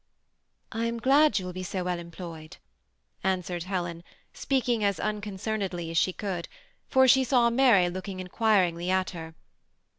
" I am glad you will be so well employed," answered Helen, speaking as unconcernedly as she could, for she saw Mary looking inquiringly at her.